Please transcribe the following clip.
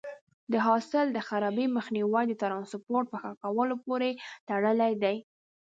د حاصل د خرابي مخنیوی د ټرانسپورټ په ښه کولو پورې تړلی دی.